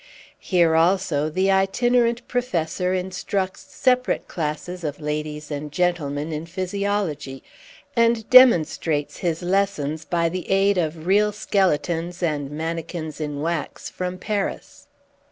Here, also, the itinerant professor instructs separate classes of ladies and gentlemen in physiology, and demonstrates his lessons by the aid of real skeletons, and manikins in wax, from Paris.